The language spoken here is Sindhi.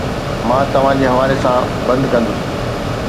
مان توهان جي حوالي سان بند ڪندس